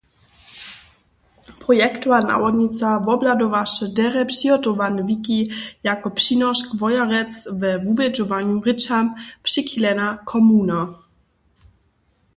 Projektowa nawodnica wobhladowaše derje přihotowane wiki jako přinošk Wojerec we wubědźowanju Rěčam přichilena komuna.